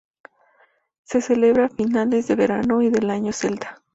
Se celebra a finales de verano y del año celta.